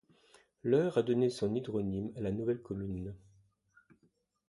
L'Eure a donné son hydronyme à la nouvelle commune.